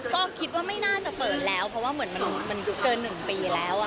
ก็คิดว่าไม่น่าจะเปิดแล้วเพราะว่าเหมือนมันเกิน๑ปีแล้ว